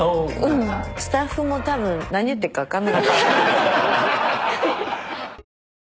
スタッフも多分何言ってるかわかんなかったと思う。